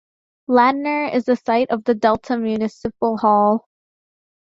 Ladner is the site of the Delta Municipal Hall.